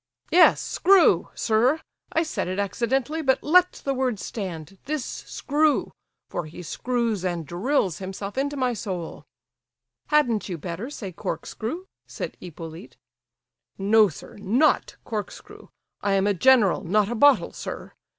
Yes, screw, sir; I said it accidentally, but let the word stand—this screw, for he screws and drills himself into my soul—" "Hadn't you better say corkscrew?" said Hippolyte. "No, sir, not corkscrew. I am a general, not a bottle, sir.